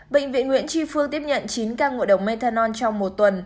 bệnh viện nguyễn tri phương tiếp nhận chín ca ngộ độc methanol trong một tuần